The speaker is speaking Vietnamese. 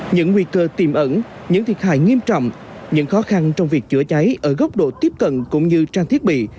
những nguy cơ tiềm ẩn những thiệt hại nghiêm trọng những khó khăn trong việc chữa cháy ở góc độ tiếp cận cũng như trang thiết bị